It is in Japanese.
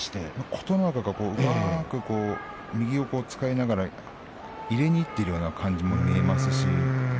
琴ノ若がうまく右を使いながら入れにいっているようにも見えます。